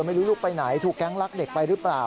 ไม่รู้ลูกไปไหนถูกแก๊งลักเด็กไปหรือเปล่า